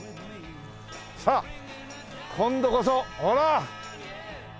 さあ今度こそほら！